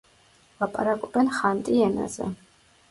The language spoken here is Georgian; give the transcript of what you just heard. ლაპარაკობენ ხანტი ენაზე.